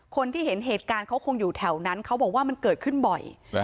คนที่เห็นเหตุการณ์เขาคงอยู่แถวนั้นเขาบอกว่ามันเกิดขึ้นบ่อย